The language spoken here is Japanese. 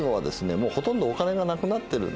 もうほとんどお金がなくなってるんでね。